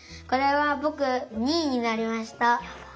これはぼく２いになりました。